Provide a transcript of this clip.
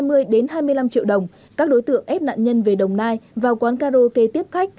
hai mươi hai mươi năm triệu đồng các đối tượng ép nạn nhân về đồng nai vào quán karaoke tiếp khách